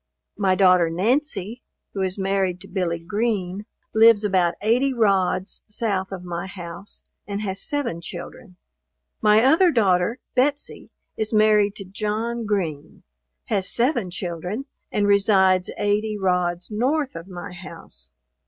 My daughter Nancy, who is married to Billy Green, lives about 80 rods south of my house, and has seven children. My other, daughter, Betsey, is married to John Green, has seven children, and resides 80 rods north of my house.